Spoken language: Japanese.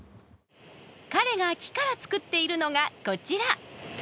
彼が木から作っているのがこちら